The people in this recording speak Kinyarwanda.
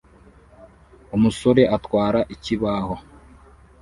Umusore atwara ikibaho